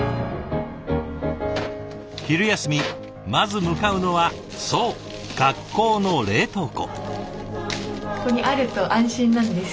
昼休みまず向かうのはそう学校の冷凍庫。